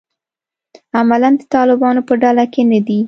عملاً د طالبانو په ډله کې نه دي.